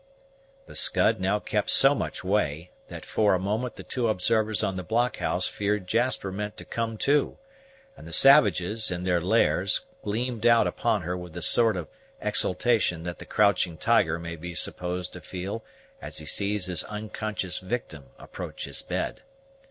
The Scud now kept so much away, that for a moment the two observers on the blockhouse feared Jasper meant to come to; and the savages, in their lairs, gleamed out upon her with the sort of exultation that the crouching tiger may be supposed to feel as he sees his unconscious victim approach his bed.